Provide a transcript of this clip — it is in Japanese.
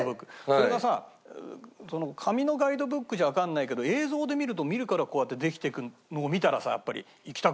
それがさ紙のガイドブックじゃわかんないけど映像で見るとこうやってできていくのを見たらやっぱり行きたくなるよね。